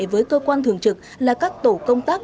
với cơ quan thường trực là các tổ công tác